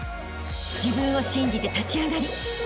［自分を信じて立ち上がりあしたへ